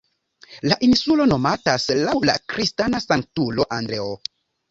La insulo nomatas laŭ la kristana sanktulo Andreo.